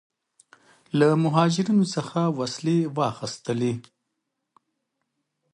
له مهاجرینو څخه وسلې واخیستلې.